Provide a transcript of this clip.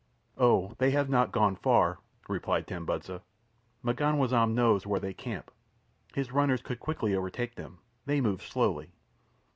"Oh, they have not gone far," replied Tambudza. "M'ganwazam knows where they camp. His runners could quickly overtake them—they move slowly."